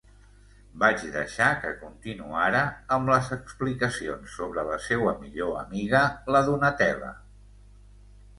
Vaig deixar que continuara amb les explicacions sobre la seua millor amiga, la Donatella...